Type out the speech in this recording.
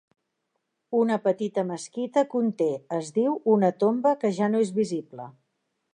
Una petita mesquita conté, es diu, una tomba, que ja no és visible.